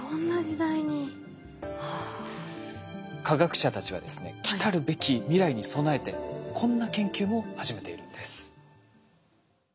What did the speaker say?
科学者たちはですねきたるべき未来に備えてこんな研究も始めているんです。